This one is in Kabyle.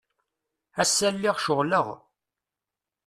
Ass-a lliɣ ceɣleɣ.